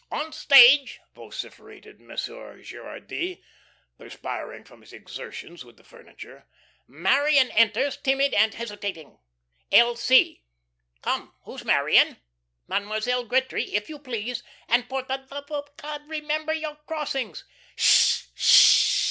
"On stage," vociferated Monsieur Gerardy, perspiring from his exertions with the furniture. "'Marion enters, timid and hesitating, L. C.' Come, who's Marion? Mademoiselle Gretry, if you please, and for the love of God remember your crossings. Sh! sh!"